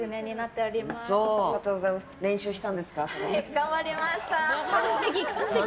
頑張りました。